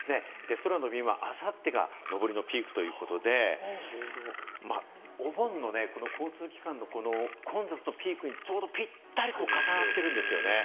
空の便はあさってが上りのピークということで、お盆の交通機関の混雑のピークにちょうどぴったり重なっているんですよね。